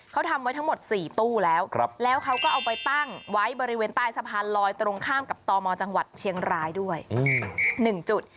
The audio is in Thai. เขาทำไว้ทั้งหมด๔ตู้แล้วแล้วเขาก็เอาไปตั้งไว้บริเวณใต้สะพานลอยตรงข้ามกับตมจังหวัดเชียงรายด้วย๑จุด